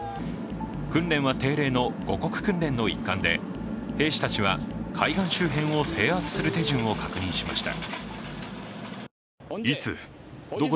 訓練は定例の護国訓練の一環で、兵士たちは海岸周辺を制圧する手順を確認しました。